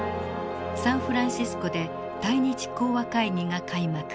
サンフランシスコで対日講和会議が開幕。